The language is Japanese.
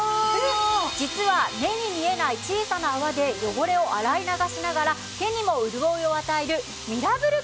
実は目に見えない小さな泡で汚れを洗い流しながら手にも潤いを与えるミラブルキッチンを装備しました。